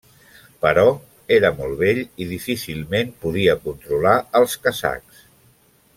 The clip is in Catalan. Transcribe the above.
Però era molt vell i difícilment podia controlar als kazakhs.